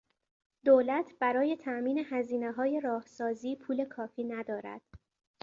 دولت برای تامین هزینههای راه سازی پول کافی ندارد.